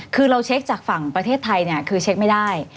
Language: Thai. คือเราเช็คจากฝั่งประเทศไทยเนี่ยคือเช็คไม่ได้